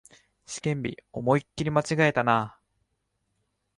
試験日、思いっきり間違えたな